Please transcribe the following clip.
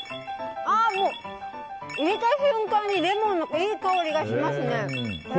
入れた瞬間にレモンのいい香りがしますね。